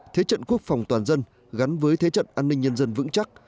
thế trận quốc phòng toàn dân gắn với thế trận an ninh nhân dân vững chắc